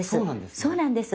そうなんです。